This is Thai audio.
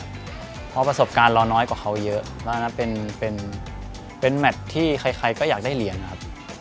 เพราะประสบการณ์เราน้อยกว่าเขาเยอะแล้วอันนั้นเป็นแมทที่ใครก็อยากได้เหรียญนะครับ